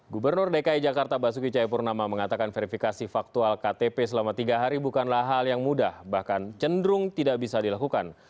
gubernur dki jakarta basuki cahayapurnama mengatakan verifikasi faktual ktp selama tiga hari bukanlah hal yang mudah bahkan cenderung tidak bisa dilakukan